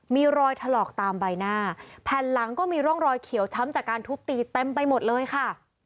มีรอยถลอกตามใบหน้าแผ่นหลังก็มีร่องรอยเขียวช้ำจากการทุบตีเต็มไปหมดเลยค่ะ